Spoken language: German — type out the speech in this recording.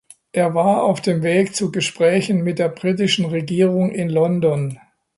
Er war auf dem Weg zu Gesprächen mit der britischen Regierung in London.